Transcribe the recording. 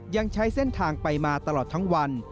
ยังใช้เส้นทางไปมาตลอดทั้งวัน